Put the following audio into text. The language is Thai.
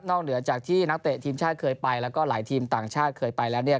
เหนือจากที่นักเตะทีมชาติเคยไปแล้วก็หลายทีมต่างชาติเคยไปแล้วเนี่ย